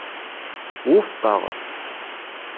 Wufqeɣ.